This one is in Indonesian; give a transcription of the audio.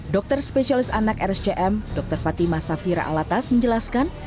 dokter spesialis anak rscm dr fatima safira alatas menjelaskan